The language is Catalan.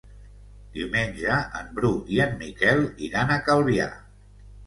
Diumenge en Bru i en Miquel iran a Calvià.